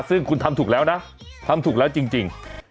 ซึ่งคุณทำถูกแล้วนะทำถูกแล้วจริง